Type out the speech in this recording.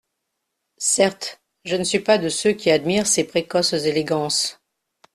Certes, je ne suis pas de ceux qui admirent ces précoces élégances.